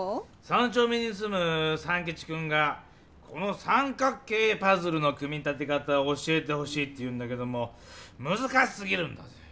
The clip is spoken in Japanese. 三ちょう目にすむ三吉くんがこの三角形パズルの組み立て方を教えてほしいっていうんだけどむずかしすぎるんだぜぇ。